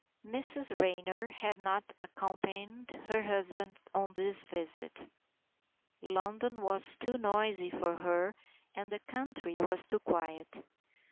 II MRS RAYNOR had not accompanied her husband on this visit. London was too noisy for her and the country was too quiet.